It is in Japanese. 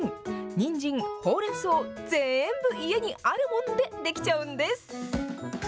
にんじん、ほうれんそう、全部家にあるもんでできちゃうんです。